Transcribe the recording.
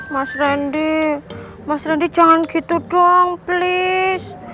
mas rendy mas rendy jangan gitu dong please